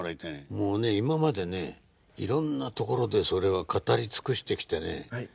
もうね今までねいろんなところでそれは語り尽くしてきてね